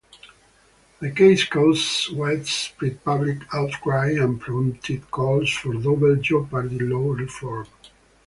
The case caused widespread public outcry and prompted calls for double jeopardy law reform.